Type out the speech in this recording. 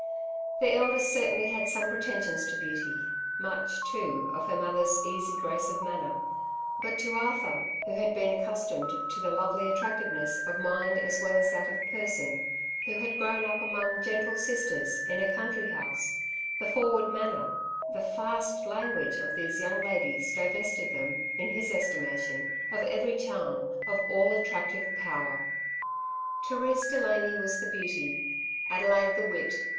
The eldest certainly had some pretensions to beauty, much, too, of her mother's easy grace of manner ; but to Arthur, who had been accustomed to the lovely attractiveness of mind as well as that of person, who had grown up among gentle sisters 44 " Two Sides to every Question!* in a coantry house, the forward manner, the '* fast " language of these young ladies divested them, in his estimation, of every charm, of all attractive power. Therese Delany was the beauty, Adelaide the wit.